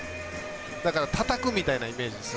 だからたたくみたいなイメージです。